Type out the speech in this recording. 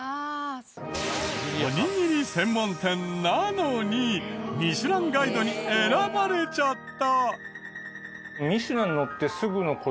おにぎり専門店なのに『ミシュランガイド』に選ばれちゃった！